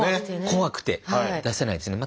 怖くて出せないですよね。